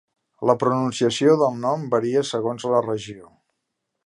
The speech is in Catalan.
La pronunciació del nom varia segons la regió.